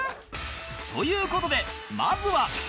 という事でまずは